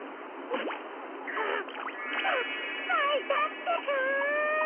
あっささいたってか。